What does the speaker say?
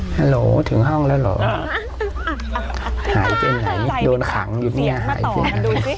ฮัลโหลถึงห้องแล้วเหรอหายไปไหนโดนขังอยู่นี้หายไปไหน